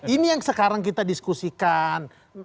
ini yang sekarang kita diskusikan